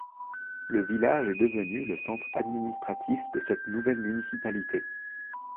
Le village est devenu le centre administratif de cette nouvelle municipalité.